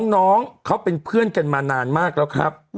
น้องเขาเป็นเพื่อนกันมานานมากแล้วครับ